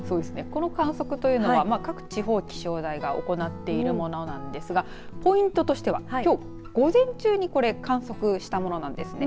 この観測というのは各地方、気象台が行っているものなんですがポイントとしてはきょう午前中にこれ観測したものなんですね。